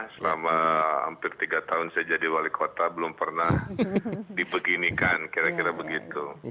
selama hampir tiga tahun saya jadi wali kota belum pernah dibeginikan kira kira begitu